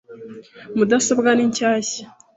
Mudasobwa ni shyashya .